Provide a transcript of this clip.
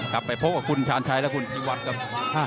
กลับไปพบกับคุณชาญชัยและคุณพิวัตรครับ